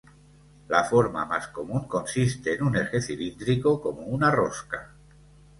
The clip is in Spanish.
La forma más común consiste en un eje cilíndrico como una rosca.